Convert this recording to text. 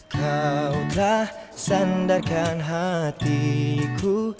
kau telah sandarkan hatiku